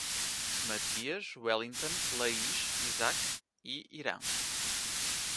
Matias, Wellington, Laís, Isac e Iran